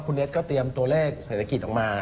คุณเอสก็เตรียมตัวเลขเศรษฐกิจออกมา